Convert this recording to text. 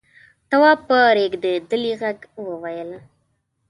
تواب په رېږدېدلي غږ وويل: